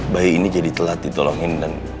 bayi ini jadi telat ditolongin dan